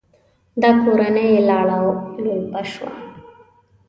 دا کورنۍ لاړه او لولپه شوه.